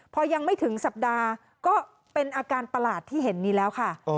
พอยังไม่ถึงสัปดาห์ก็เป็นอาการประหลาดที่เห็นนี้แล้วค่ะ